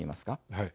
はい。